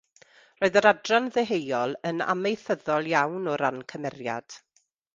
Roedd yr adran ddeheuol yn amaethyddol iawn o ran cymeriad.